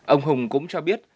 ông hùng cũng cho biết